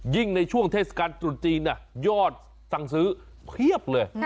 ในช่วงเทศกาลตรุษจีนยอดสั่งซื้อเพียบเลย